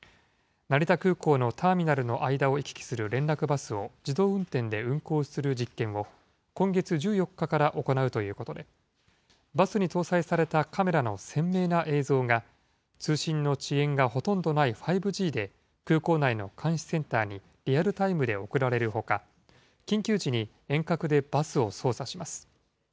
成田空港のターミナルの間を行き来する連絡バスを自動運転で運行する実験を、今月１４日から行うということで、バスに搭載されたカメラの鮮明な映像が、通信の遅延がほとんどない５Ｇで、空港内の監視センターにリアルタイムで送られるほか、緊急時に遠隔でバスを操作します。